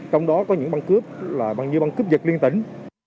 trong đó có những băng cướp là băng như băng cướp dịch liên tỉnh